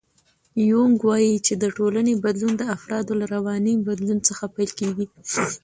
یونګ وایي چې د ټولنې بدلون د افرادو له رواني بدلون څخه پیل کېږي.